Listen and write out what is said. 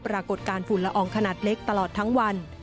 ปรากฏการณ์ฝุ่นละอองขนาดเล็กตลอดทั้งวัน